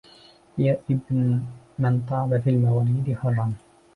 يا ابن من طاب في المواليد حرا